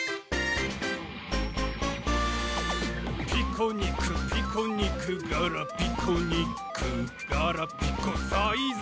「ピコニクピコニクガラピコニック」「ガラピコサイズ！